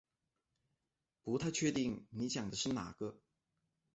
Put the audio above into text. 不太确定你讲的是哪个